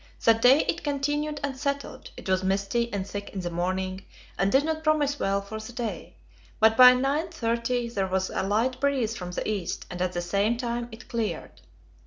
That day it continued unsettled; it was misty and thick in the morning, and did not promise well for the day, but by 9.30 there was a light breeze from the east, and at the same time it cleared.